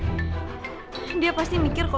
nah dia men thanking si kyou